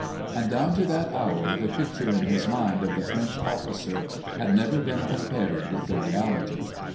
And down to that hour the picture in his mind of the French officer had never been compared with the realit}'.